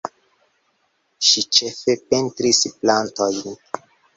Ŝi ĉefe pentris plantojn.